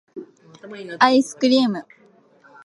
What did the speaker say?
愛♡スクリ～ム!